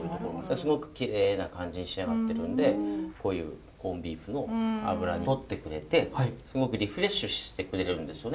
すごくきれいな感じに仕上がってるんでこういうコンビーフの脂取ってくれてすごくリフレッシュしてくれるんですよね。